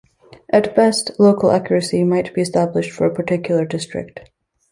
At best, local accuracy might be established for a particular district.